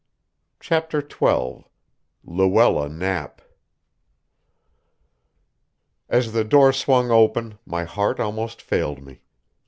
CHAPTER XII LUELLA KNAPP As the door swung open, my heart almost failed me.